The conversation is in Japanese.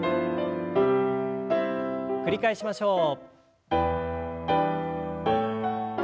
繰り返しましょう。